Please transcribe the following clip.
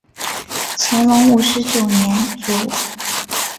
乾隆五十九年卒。